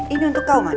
ini untuk kau man